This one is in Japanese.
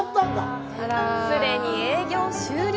すでに営業終了。